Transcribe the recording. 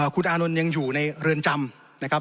คุณอานนท์ยังอยู่ในเรือนจำนะครับ